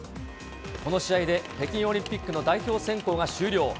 この試合で北京オリンピックの代表選考が終了。